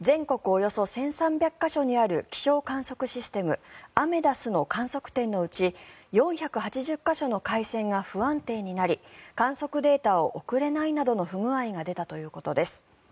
およそ１３００か所にある気象観測システム、アメダスの観測点のうち４８０か所の回線が不安定になり観測データを送れないなどの不具合が出たということです。